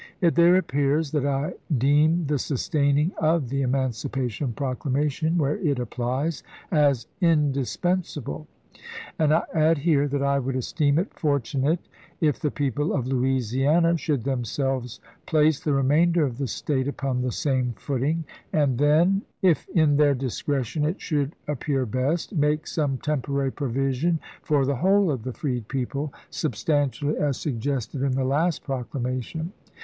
It there appears that I deem the sustaining of the Emancipation Proclamation, where it appUes, as indispensable ; and I add here that I would esteem it fortunate if the people of Louisiana should themselves place the remainder of the State upon the same footing, and then, if in their discretion it should appear best, make some temporary provision for the whole of the freed people, substantially as suggested in the last Procla mation.